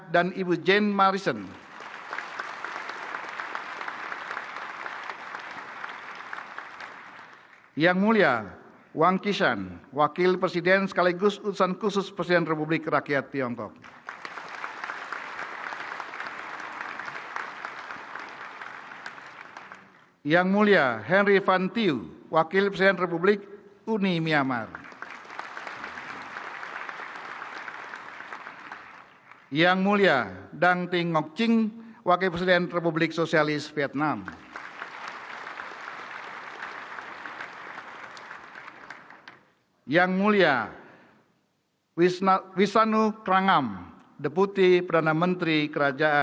dan nyonya kartinasari mustaja